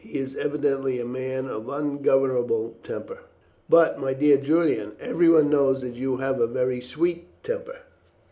He is evidently a man of ungovernable temper.'" "But, my dear Julian, everyone knows that you have a very sweet temper."